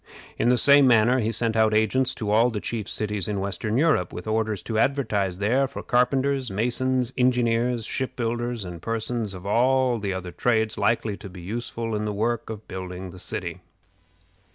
In the same manner he sent out agents to all the chief cities in western Europe, with orders to advertise there for carpenters, masons, engineers, ship builders, and persons of all the other trades likely to be useful in the work of building the city.